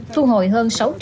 thu hồi hơn sáu trăm linh